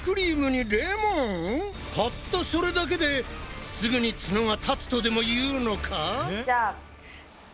たったそれだけですぐにツノが立つとでもいうのか？